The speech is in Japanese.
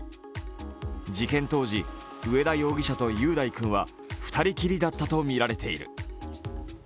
事件当時、上田容疑者と雄大君は２人きりだったとみられている。